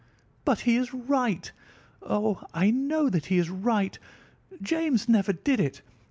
"But he is right. Oh! I know that he is right. James never did it.